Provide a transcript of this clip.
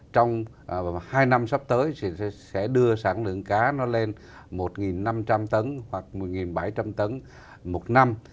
trong hai năm sắp tới thì sẽ đưa sản lượng cá nó lên một năm trăm linh tấn hoặc một bảy trăm linh tấn một năm